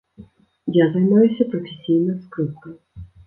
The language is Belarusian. Я займаюся прафесійна скрыпкай.